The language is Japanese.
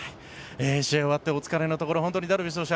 試合終わってお疲れのところ本当にダルビッシュ投手